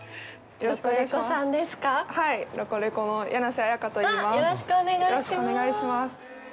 よろしくお願いします。